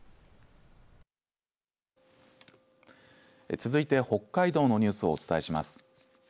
続いて、北海道のニュースをお伝えします。